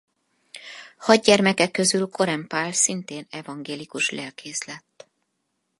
Hat gyermeke közül Koren Pál szintén evangélikus lelkész lett.